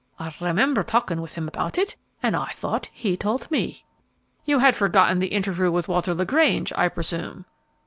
I remember talking with him about it, and I thought he told me." "You had forgotten the interview with Walter LaGrange, I presume."